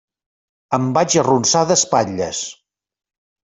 Em vaig arronsar d'espatlles.